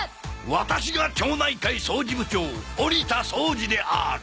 ワタシが町内会掃除部長鬼田そうじである